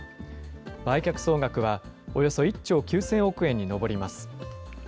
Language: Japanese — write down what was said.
売却総額はおよそ１兆９０００億円に上ります。